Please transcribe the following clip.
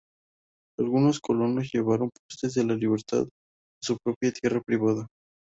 Algunos colonos levantaron postes de la libertad en su propia tierra privada.